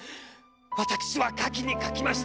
わたくしは描きに描きました。